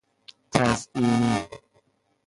تزیینی